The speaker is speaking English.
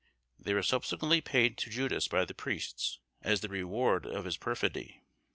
They were subsequently paid to Judas by the priests as the reward of his perfidy.